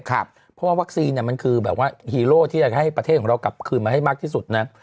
เพราะว่าวัคซีนมันคือแบบว่าฮีโร่ที่จะให้ประเทศของเรากลับคืนมาให้มากที่สุดนะ